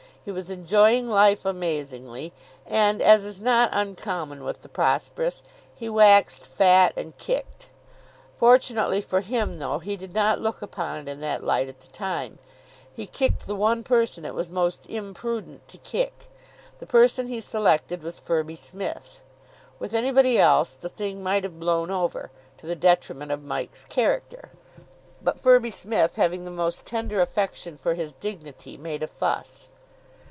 He was enjoying life amazingly, and, as is not uncommon with the prosperous, he waxed fat and kicked. Fortunately for him though he did not look upon it in that light at the time he kicked the one person it was most imprudent to kick. The person he selected was Firby Smith. With anybody else the thing might have blown over, to the detriment of Mike's character; but Firby Smith, having the most tender affection for his dignity, made a fuss.